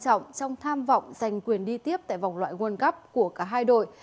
đội tuyển việt nam cũng tham vọng giành quyền đi tiếp tại vòng loại world cup của cả hai đội